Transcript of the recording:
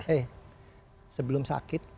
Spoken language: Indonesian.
eh sebelum sakit